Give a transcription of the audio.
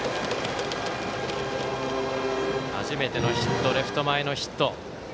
初めてのヒットレフト前へのヒット。